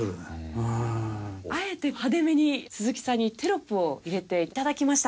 あえて派手めに鈴木さんにテロップを入れて頂きました。